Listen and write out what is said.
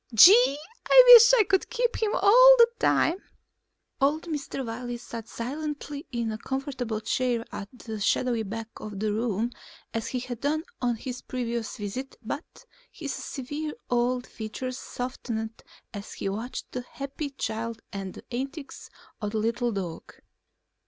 Gee, I wish I could keep him all the time." Old Mr. Wiley sat silently in a comfortable chair at the shadowy back of the room as he had done on his previous visits but his severe old features softened as he watched the happy child and the antics of the little dog.